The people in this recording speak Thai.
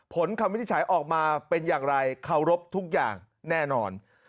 คำวินิจฉัยออกมาเป็นอย่างไรเคารพทุกอย่างแน่นอน